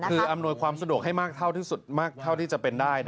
คืออำนวยความสะดวกให้มากเท่าที่จะเป็นได้